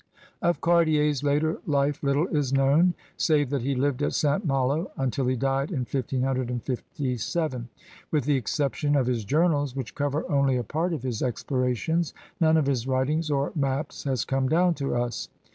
Of Cartier's later life little is known save that he lived at St. Malo until he died in 1557. With the exception of his journals, which cover only a part of his explorations, none of his writings or maps has come down to us.